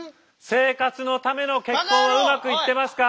生活のための結婚はうまくいってますか？